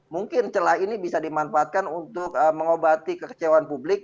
mungkin celah ini bisa dimanfaatkan untuk mengobati kekecewaan publik